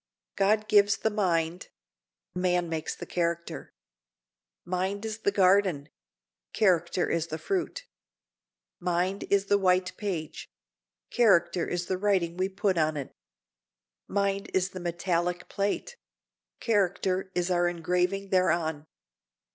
God gives the mind; man makes the character. Mind is the garden; character is the fruit. Mind is the white page; character is the writing we put on it. Mind is the metallic plate; character is our engraving thereon.